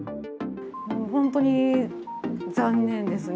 本当に残念ですね。